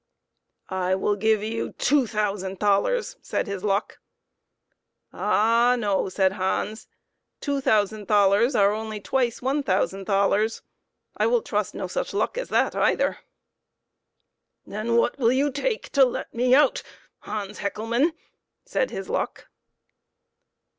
" I will give you two thousand thalers," said his luck. HANS HECKLEMANN'S LUCK. 6 7 " Ah no !" said Hans ;" two thousand thalers are only twice one thousand thalers. I will trust no such luck as that either !"" Then what will you take to let me out, Hans Hecklemann ?" said his luck.